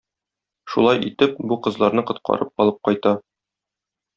Шулай итеп, бу кызларны коткарып алып кайта.